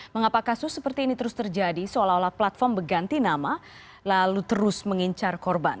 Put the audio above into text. mengapa kasus seperti ini terus terjadi seolah olah platform berganti nama lalu terus mengincar korban